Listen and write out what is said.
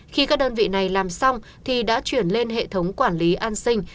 khi các đơn vị này làm xong thì đã chuyển lên hệ thống quản lý an sinh